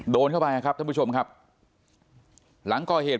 โดนเข้าไปครับท่านผู้ชมครับหลังก่อเหตุ